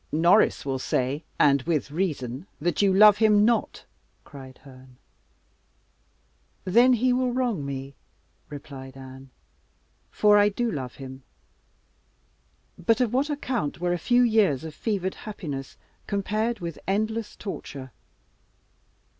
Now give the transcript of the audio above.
"Norris will say, and with reason, that you love him not," cried Herne. "Then he will wrong me," replied Anne; "for I do love him. But of what account were a few years of fevered happiness compared with endless torture?"